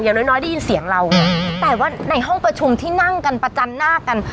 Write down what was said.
อย่างน้อยน้อยได้ยินเสียงเราแต่ว่าในห้องประชุมที่นั่งกันประจันหน้ากัน